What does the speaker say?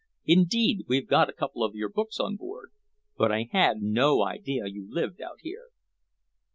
Indeed, we've got a couple of your books on board. But I had no idea you lived out here."